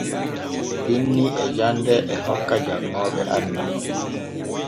Binni e jande e hokka janŋooɓe andal.